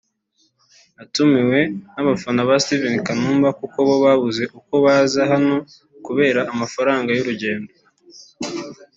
“Natumiwe n’abafana ba Steven(Kanumba) kuko bo babuze uko baza hano kubera amafaranga y’urugendo